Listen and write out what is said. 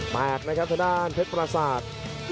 แปลกนะครับท่านด้านเพชรพรศาสตร์